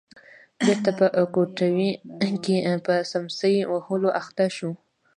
بېرته په کټوې کې په څمڅۍ وهلو اخته شو.